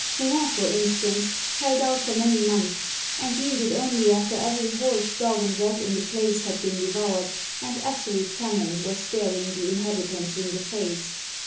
Rouen, for instance, held out for many months, and yielded only after every horse, dog, and rat in the place had been devoured, and absolute famine was staring the inhabitants in the face.